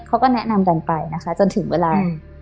เขาก็แนะนำกันไปนะคะจนถึงเวลา